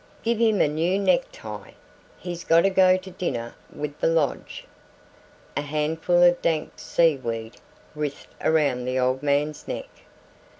"Give him a new necktie, he's gotta go to dinner with the Lodge." A handful of dank sea weed writhed around the old man's neck.